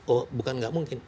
oh bukan nggak mungkin